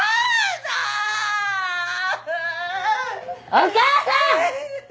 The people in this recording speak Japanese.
お母さん！！